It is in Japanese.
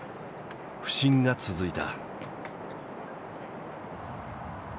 不振が続いた。